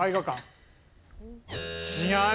違う。